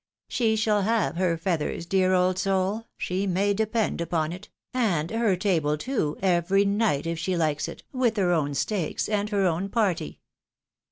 She shall have her feathers, dear old soul ! she may depend upon it, and her table too, every night if she likes it, with her own stakes and her own party."